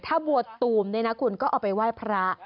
ถ้าบัวตุมออกไปว่ายพระ